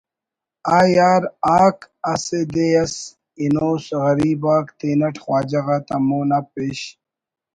آ یار آک اسہ دے اس بنوس غریب آک تینٹ خواجہ غاتا مون آ پیش